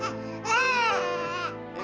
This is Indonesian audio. pusit dia bukannya pakai kain